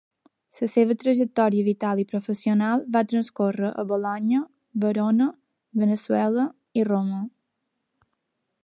La seva trajectòria vital i professional va transcórrer a Bolonya, Verona, Veneçuela i Roma.